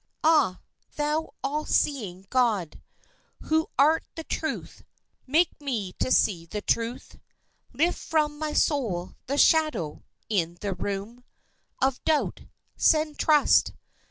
Ah, Thou all seeing God Who art the Truth, make me to see the truth; Lift from my soul the shadow; in the room Of doubt, send trust.